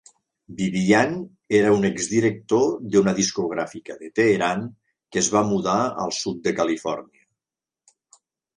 Bibiyan era un exdirector d'una discogràfica de Teheran que es va mudar al sud de Califòrnia.